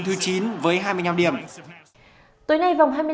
tối nay vòng hai mươi năm giải nguyễn anh sẽ diễn ra